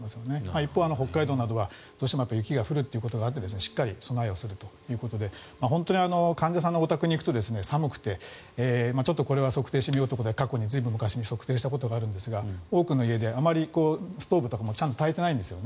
一方、北海道などはどうしても雪が降るということがあってしっかり備えをするということで本当に患者さんのお宅に行くと寒くてちょっとこれは測定してみようということで過去、随分昔に測定したことがあるんですが多くの家でストーブとかもちゃんとたいてないんですね。